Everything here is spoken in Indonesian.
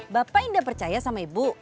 bapak indah percaya sama ibu